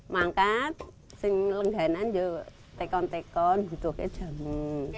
maka yang mengelengganan juga tekon tekon hidupnya jamu